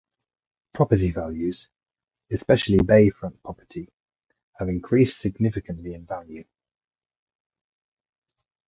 Property values, especially bay front property, have increased significantly in value.